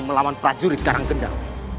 melawan prajurit garang kendal